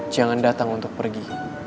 jangan datang untuk pergi